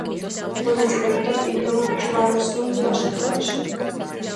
მონაწილეობდა პირველ ჯვაროსნულ ლაშქრობაში.